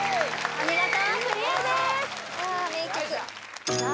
お見事クリアですあ